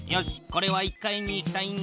これは１階に行きたいんだな。